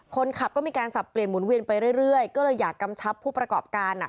คนขับก็มีการสับเปลี่ยนหมุนเวียนไปเรื่อยก็เลยอยากกำชับผู้ประกอบการอ่ะ